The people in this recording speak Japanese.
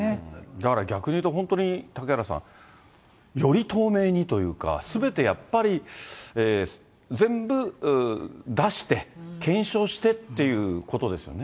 だから逆に言うと、本当に嵩原さん、より透明にというか、すべてやっぱり、全部出して、検証してっていうことですよね。